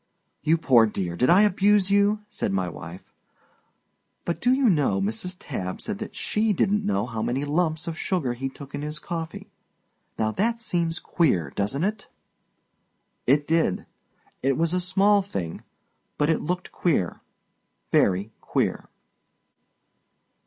"You poor dear, did I abuse you?" said my wife. "But, do you know, Mrs. Tabb said that she didn't know how many lumps of sugar he took in his coffee. Now that seems queer, doesn't it?" It did. It was a small thing. But it looked queer, Very queer.